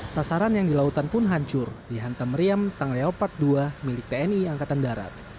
sasaran yang di lautan pun hancur dihantam meriam tank leopark dua milik tni angkatan darat